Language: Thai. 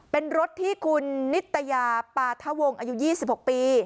เป็นรถที่คุณนิตยาปาทะวงอายุ๒๖ปี